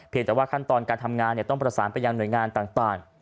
แต่ว่าขั้นตอนการทำงานต้องประสานไปยังหน่วยงานต่าง